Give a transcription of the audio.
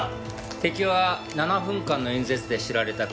敵は７分間の演説で知られた黒い女神。